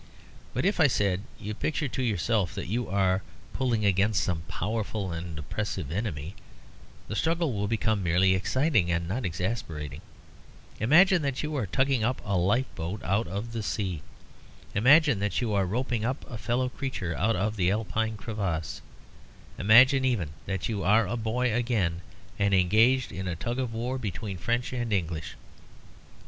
"But if," I said, "you picture to yourself that you are pulling against some powerful and oppressive enemy, the struggle will become merely exciting and not exasperating. Imagine that you are tugging up a lifeboat out of the sea. Imagine that you are roping up a fellow creature out of an Alpine crevass. Imagine even that you are a boy again and engaged in a tug of war between French and English."